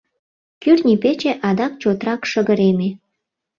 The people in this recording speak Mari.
Кӱртньӧ пече адак чотрак шыгыреме.